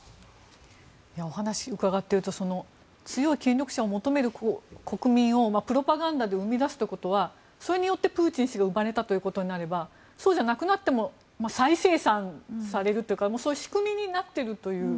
お話を伺っていると強い権力者を求める国民をプロパガンダで生み出すということはそれによってプーチン氏が生まれたということになればそうじゃなくなっても再生産されるというかそういう仕組みになっているという。